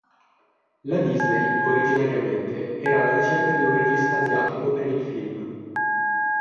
La Disney originariamente era alla ricerca di un regista asiatico per il film.